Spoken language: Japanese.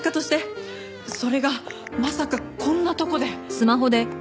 それがまさかこんなとこで！